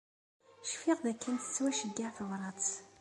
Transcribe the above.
Cfiɣ dakken tettwaceyyeɛ tebrat.